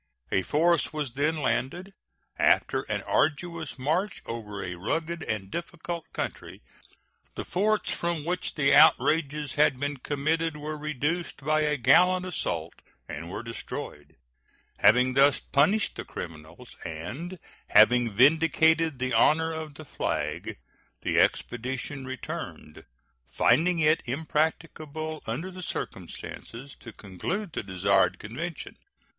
A force was then landed. After an arduous march over a rugged and difficult country, the forts from which the outrages had been committed were reduced by a gallant assault and were destroyed. Having thus punished the criminals, and having vindicated the honor of the flag, the expedition returned, finding it impracticable under the circumstances to conclude the desired convention.